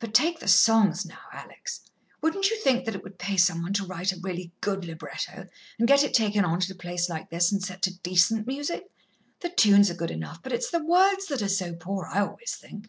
But take the songs, now, Alex; wouldn't you think that it would pay some one to write really good libretto, and get it taken on at a place like this and set to decent music? The tunes are good enough, but it's the words that are so poor, I always think."